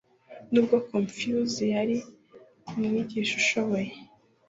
nubwo confucius yari umwigisha ushoboye